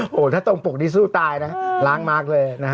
โอ้โหถ้าตรงปกนี้สู้ตายนะล้างมาร์คเลยนะฮะ